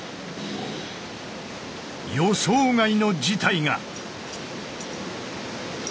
予想外の事態が。